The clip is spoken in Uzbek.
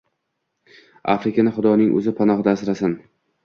Afrikani xudoning o‘zi panohida asrasin!